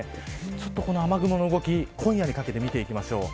ちょっとこの雨雲の動き今夜にかけて見ていきましょう。